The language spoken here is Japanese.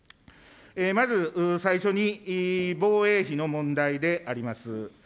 まず最初に、防衛費の問題であります。